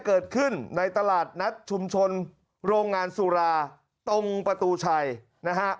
เกิดขึ้นในตลาดนัดชุมชนโรงงานสุราตรงประตูชัยนะฮะ